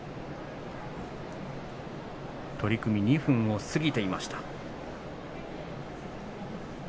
取組は２分を過ぎていました。